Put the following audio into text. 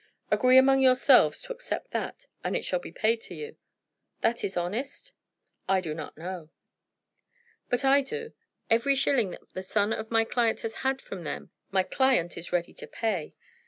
Agree among yourselves to accept that, and it shall be paid to you. That is honest?" "I do not know." "But I do. Every shilling that the son of my client has had from them my client is ready to pay.